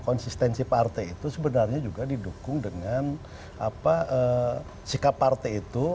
konsistensi partai itu sebenarnya juga didukung dengan sikap partai itu